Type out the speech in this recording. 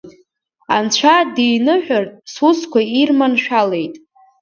Анцәа диныҳәартә, сусқәа ирманшәалеит.